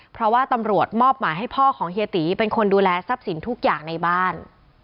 เพราะว่าตำรวจมอบหมายให้พ่อของเฮียตีเป็นคนดูแลทรัพย์สินทุกอย่างในบ้าน